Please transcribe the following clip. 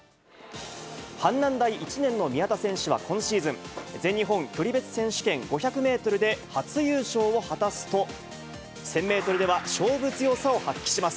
阪南大１年の宮田選手は、今シーズン、全日本距離別選手権５００メートルで初優勝を果たすと、１０００メートルでは勝負強さを発揮します。